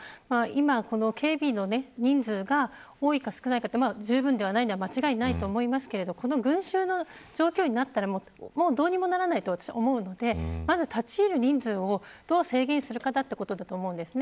警備の人数が多いか少ないかじゅうぶんではないのは間違いではありませんがこの群衆の状況になればどうにもならないと思うので立ち入る人数をどう制限するかということだと思います。